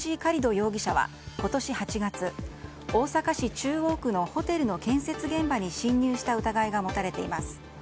容疑者は今年８月、大阪市中央区のホテルの建設現場に侵入した疑いが持たれています。